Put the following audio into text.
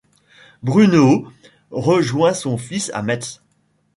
Brunehaut rejoint son fils à Metz.